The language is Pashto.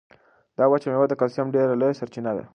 دا وچه مېوه د کلسیم ډېره لویه سرچینه ده.